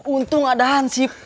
untung ada hansip